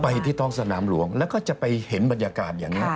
ที่ท้องสนามหลวงแล้วก็จะไปเห็นบรรยากาศอย่างนี้